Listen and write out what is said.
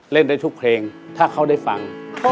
เล่นได้ทุกเพลงถ้าเขาได้ฟัง